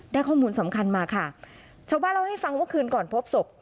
ข้อมูลสำคัญมาค่ะชาวบ้านเล่าให้ฟังว่าคืนก่อนพบศพ